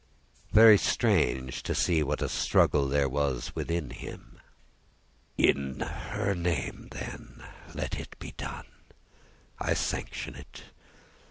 Very strange to see what a struggle there was within him! "In her name, then, let it be done; I sanction it.